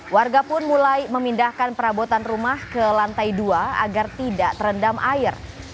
warga pun mulai memindahkan perabotan rumah ke lantai dua agar tidak terendam air